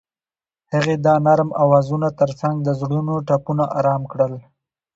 هغې د نرم اوازونو ترڅنګ د زړونو ټپونه آرام کړل.